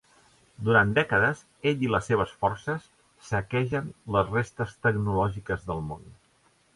Durant dècades ell i les seves forces saquegen les restes tecnològiques del món.